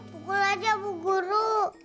pukul aja bu guru